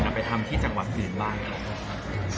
นำไปทำที่จังหวัดอื่นบ้างครับ